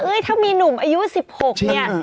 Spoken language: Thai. ถ้ามีหนุ่มอายุ๑๖เนี่ย